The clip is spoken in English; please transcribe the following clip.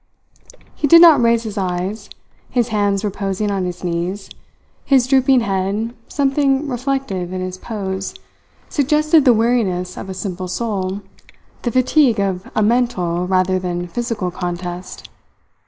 He did not raise his eyes. His hands reposing on his knees, his drooping head, something reflective in his pose, suggested the weariness of a simple soul, the fatigue of a mental rather than physical contest.